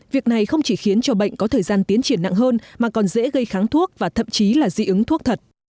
việc này không chỉ khiến cho bệnh có thời gian tiến triển nặng hơn mà còn dễ gây kháng thuốc và thậm chí là dị ứng thuốc thật